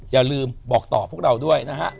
อย่าลืมบอกต่อพวกเราด้วยนะฮะ